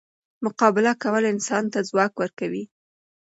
مقابله کول انسان ته ځواک ورکوي.